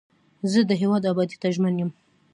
زه د هیواد ابادۍ ته ژمن یم.